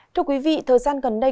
thưa quý vị thời gian gần đây